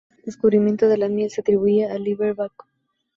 El descubrimiento de la miel se atribuía a Liber-Baco.